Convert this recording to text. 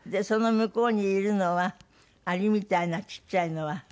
その向こうにいるのはアリみたいなちっちゃいのは。